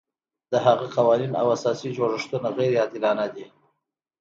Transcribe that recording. د هغه قوانین او اساسي جوړښتونه غیر عادلانه دي.